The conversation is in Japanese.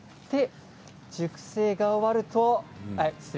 熟成が終わると、失礼。